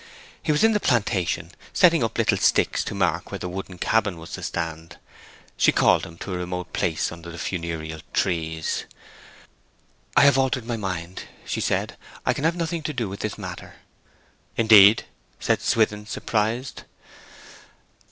He was in the plantation, setting up little sticks to mark where the wooden cabin was to stand. She called him to a remote place under the funereal trees. 'I have altered my mind,' she said. 'I can have nothing to do with this matter.' 'Indeed?' said Swithin, surprised.